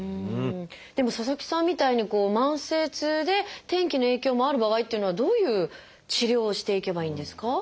でも佐々木さんみたいに慢性痛で天気の影響もある場合っていうのはどういう治療をしていけばいいんですか？